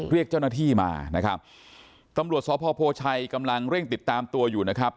เรียกเจ้าหน้าที่มานะครับตำรวจสพโพชัยกำลังเร่งติดตามตัวอยู่นะครับ